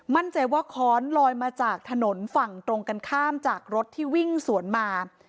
มั่นใจว่าค้อนลอยมาจากถนนฝั่งตรงกันข้ามจากรถที่วิ่งสวนมา